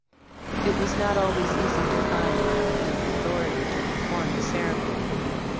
It was not always easy to find a competent authority to perform the ceremony.